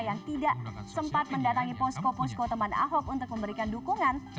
yang tidak sempat mendatangi posko posko teman ahok untuk memberikan dukungan